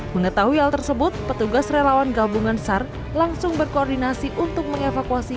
di tahun tahun tersebut petugas relawan gabungan sar langsung berkoordinasi untuk mengevakuasi